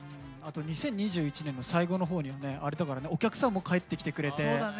あと２０２１年の最後のほうにはねお客さんも帰ってきてくれて。